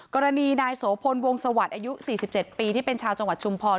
กรณีนายโสพลวงสวัสดิ์อายุ๔๗ปีที่เป็นชาวจังหวัดชุมพร